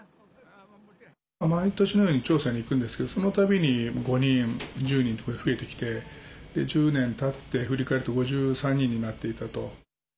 毎年のように調査に行くんですけどその度に５人、１０人と増えてきて１０年たって振り返ると５３人になっていたと。